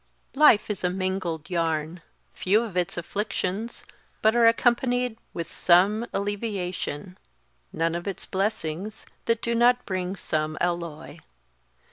_ "LIFE is a mingled yarn;" few of its afflictions but are accompanied with some alleviation none of its blessings that do not bring some alloy.